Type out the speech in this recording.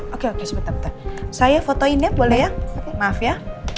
oke oke sebentar bentar saya fotoin ya boleh ya maaf ya